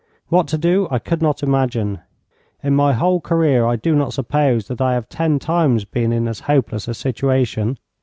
What to do I could not imagine. In my whole career I do not suppose that I have ten times been in as hopeless a situation.